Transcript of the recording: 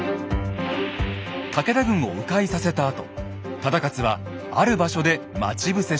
武田軍をう回させたあと忠勝はある場所で待ち伏せします。